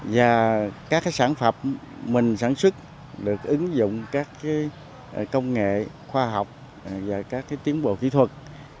và các sản phẩm mình sản xuất được ứng dụng các công nghệ khoa học và các tiến bộ kỹ thuật